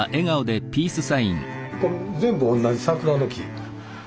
これ全部同じ桜の木。